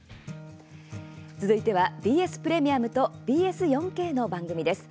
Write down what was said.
続いては、ＢＳプレミアムとＢＳ４Ｋの番組です。